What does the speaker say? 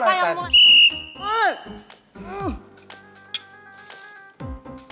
papa yang mulai